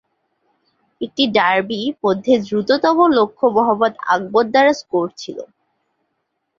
একটি ডার্বি মধ্যে দ্রুততম লক্ষ্য মোহাম্মদ আকবর দ্বারা স্কোর ছিল।